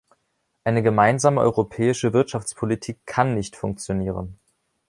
Eine gemeinsame europäische Wirtschaftspolitik kann nicht funktionieren.